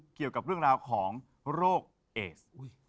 เกี่ยวกับเรื่องราวของโรคเอส